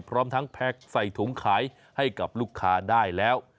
พร้อมทั้งแพ็คใส่ถุงขายให้กับลูกค้าได้แล้ว